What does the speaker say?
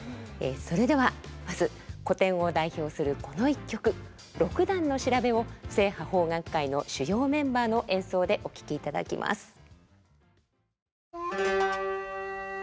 それではまず古典を代表するこの一曲「六段の調」を正派邦楽会の主要メンバーの演奏でお聴きいただきます。